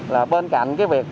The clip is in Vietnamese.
là bên cạnh cái việc